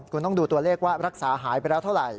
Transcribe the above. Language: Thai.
คุณต้องดูตัวเลขว่ารักษาหายไปแล้วเท่าไหร